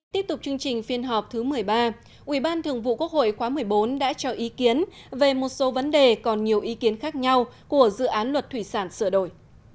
tiếp tục chương trình phiên họp thứ một mươi ba ủy ban thường vụ quốc hội khóa một mươi bốn đã cho ý kiến về một số vấn đề còn nhiều ý kiến khác nhau của dự án luật thủy sản sửa đổi